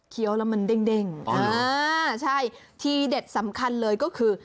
เคี้ยวแล้วมันเด้งเด้งอ๋อใช่ที่เด็ดสำคัญเลยก็คือ